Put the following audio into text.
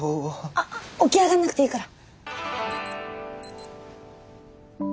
あっ起き上がんなくていいから。